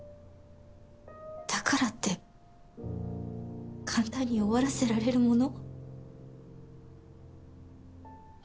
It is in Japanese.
だからって簡単に終わらせられるもの？